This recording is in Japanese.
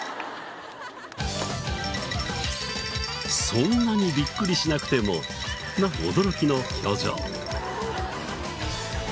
そんなにビックリしなくてもな驚きの表情。